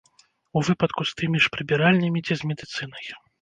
У выпадку з тымі ж прыбіральнямі ці з медыцынай.